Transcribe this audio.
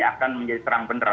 akan menjadi terang beneran